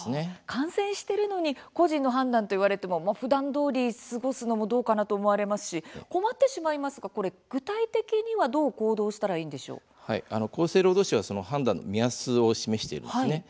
感染しているのに「個人の判断」と言われていてもふだんどおり過ごすのもどうかなと思いますし困ってしまいますが具体的に厚生労働省は、その判断の目安を示しています。